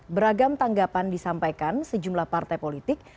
beragam tanggapan disampaikan sejumlah partai politik